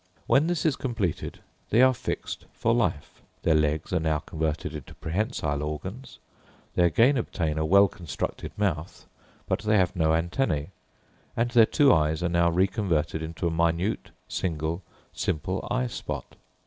When this is completed they are fixed for life: their legs are now converted into prehensile organs; they again obtain a well constructed mouth; but they have no antennæ, and their two eyes are now reconverted into a minute, single, simple eye spot.